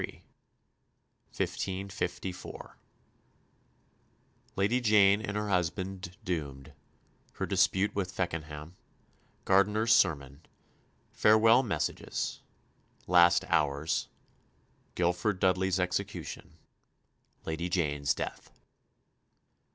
CHAPTER XXIII 1554 Lady Jane and her husband doomed Her dispute with Feckenham Gardiner's sermon Farewell messages Last hours Guilford Dudley's execution Lady Jane's death.